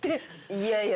いやいや。